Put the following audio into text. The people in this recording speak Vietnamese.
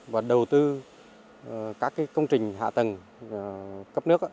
và đầu tư các công trình hạ tầng cấp nước